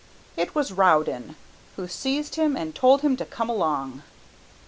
It was Rowden, who seized him and told him to come along.